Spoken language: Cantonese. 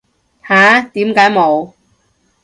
吓？點解冇